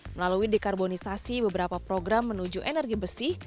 melalui dekarbonisasi beberapa program menuju energi besi